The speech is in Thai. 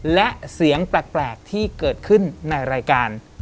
และเสียงแปลกที่เกิดขึ้นในรายการ